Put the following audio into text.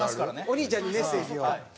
お兄ちゃんにメッセージを。